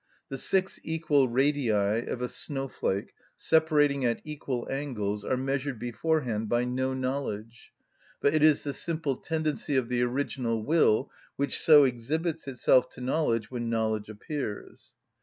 The six equal radii of a snowflake, separating at equal angles, are measured beforehand by no knowledge; but it is the simple tendency of the original will, which so exhibits itself to knowledge when knowledge appears.